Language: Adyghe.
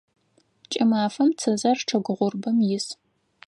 Кӏымафэм цызэр чъыг гъурбым ис.